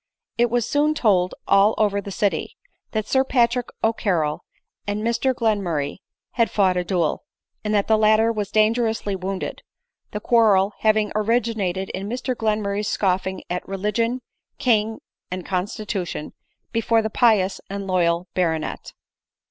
It was soon told all over the city, that Sir Patrick O'Carrol and Mr Glenmurray had fought a duel, and that the latter was dangerously wound ed ; the quarrel having originated in Mr Glenmurray's scoffing at religion, king, and constitution, before the pious and loyal baronet.